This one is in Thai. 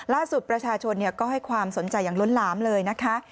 ประชาชนก็ให้ความสนใจอย่างล้นหลามเลยนะคะ